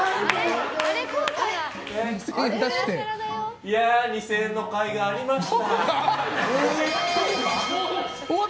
いやー、２０００円のかいがありました。